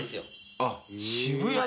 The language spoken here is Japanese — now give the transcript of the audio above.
あっ渋谷だ！